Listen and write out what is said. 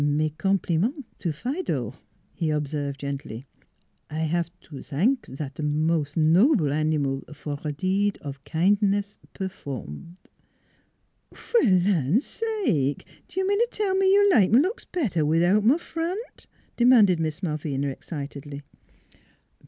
" Mes compliments to Fido," he observed gently. " I have to t'ank zat mos' noble animal for deed of kin'ness perform." " For th' land sake, do you mean t' tell me you like m' looks better without m' front?" de manded Miss Malvina excitedly.